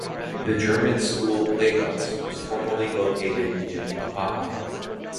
The German School Lagos was formerly located in Apapa.